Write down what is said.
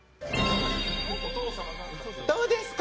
どうですか？